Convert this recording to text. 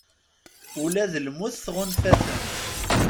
Ula d lmut tɣunfa-ten